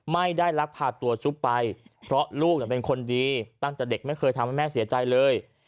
ลักพาตัวจุ๊บไปเพราะลูกเป็นคนดีตั้งแต่เด็กไม่เคยทำให้แม่เสียใจเลย